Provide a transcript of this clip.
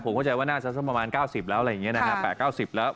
ผมเข้าใจว่าหน้าสักประมาณเก้าสิบแล้วอะไรอย่างเงี้ยนะฮะแปะเก้าสิบแล้ว